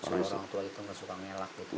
orang tua itu gak suka ngelak gitu